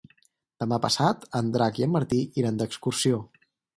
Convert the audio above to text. Demà passat en Drac i en Martí iran d'excursió.